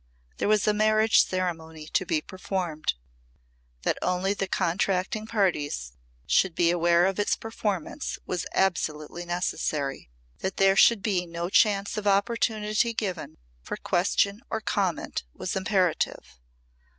There was a marriage ceremony to be performed. That only the contracting parties should be aware of its performance was absolutely necessary. That there should be no chance of opportunity given for question or comment was imperative.